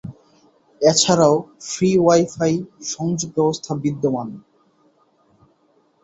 এছাড়াও, free wifi সংযোগ ব্যবস্থা বিদ্যমান।